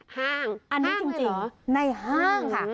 ห้างห้างเลยเหรออันนี้จริงในห้างค่ะ